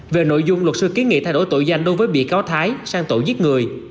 về nội dung luật sư kiến nghị thay đổi tội danh đối với bị cáo thái sang tội giết người